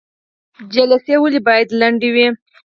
جلسې ولې باید لنډې وي؟